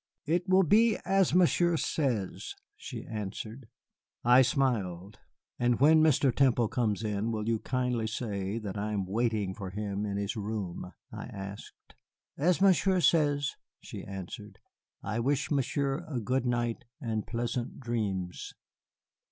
"It will be as Monsieur says," she answered. I smiled. "And when Mr. Temple comes in will you kindly say that I am waiting for him in his room?" I asked. "As Monsieur says," she answered. "I wish Monsieur a good night and pleasant dreams."